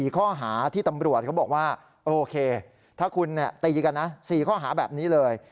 ข้อหาที่ตำรวจเขาบอกว่าโอเคถ้าคุณตีกันนะ๔ข้อหาแบบนี้เลย